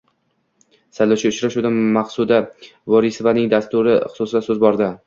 Saylovoldi uchrashuvda Maqsuda Vorisovaning dasturi xususida so‘z bordi